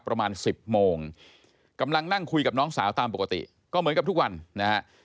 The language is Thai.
ประมาณ๑๐โมงกำลังนั่งคุยกับน้องสาวตามปกติก็เหมือนกับทุกวันนะฮะ